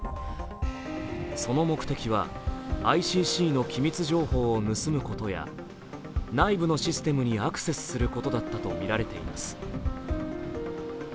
その目的は、ＩＣＣの機密情報を盗むことや、内部のシステムにアクセスすることだったとみられています。